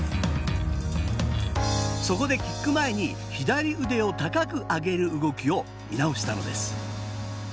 そこで、キック前に左腕を高く上げる動きを見直したのです。